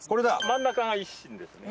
真ん中が一芯ですね。